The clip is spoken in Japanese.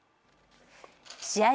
試合